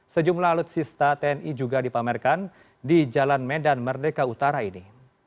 sejumlah alutsista tni juga dipamerkan di jalan medan merdeka utara ini